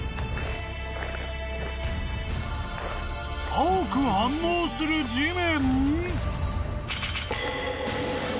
［青く反応する地面］